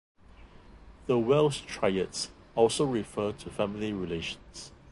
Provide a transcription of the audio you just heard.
The Welsh Triads also refer to family relations.